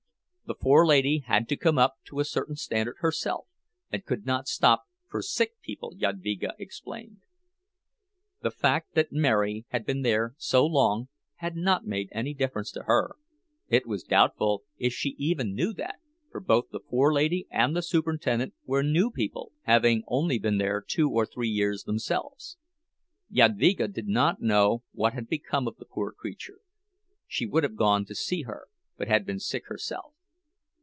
The forelady had to come up to a certain standard herself, and could not stop for sick people, Jadvyga explained. The fact that Mary had been there so long had not made any difference to her—it was doubtful if she even knew that, for both the forelady and the superintendent were new people, having only been there two or three years themselves. Jadvyga did not know what had become of the poor creature; she would have gone to see her, but had been sick herself.